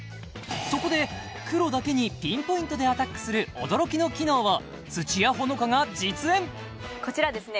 そこで黒だけにピンポイントでアタックする驚きの機能を土屋炎伽が実演こちらですね